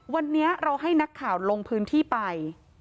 วันนี้เราให้นักข่าวลงพื้นที่ไป